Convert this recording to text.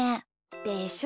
でしょ？